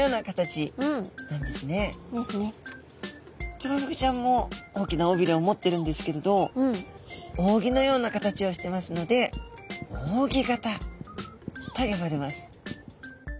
トラフグちゃんも大きな尾びれを持ってるんですけれど扇のような形をしてますので扇形と呼ばれます。